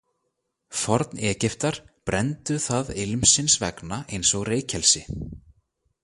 Forn-Egyptar brenndu það ilmsins vegna eins og reykelsi.